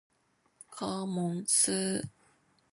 科目四